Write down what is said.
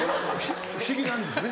不思議なんですね。